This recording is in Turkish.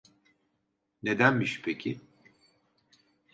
Nedenmiş peki?